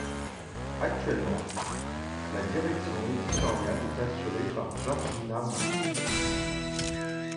Actuellement, la direction éditoriale est assurée par Georgina Mace.